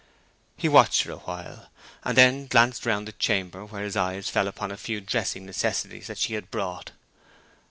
He watched her a while, and then glanced round the chamber where his eyes fell upon a few dressing necessaries that she had brought.